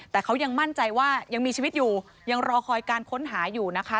แต่เขายังมั่นใจว่ายังมีชีวิตอยู่ยังรอคอยการค้นหาอยู่นะคะ